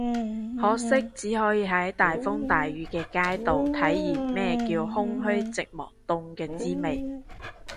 可惜只可以喺條大風大雨嘅街度體驗咩叫空虛寂寞凍嘅滋味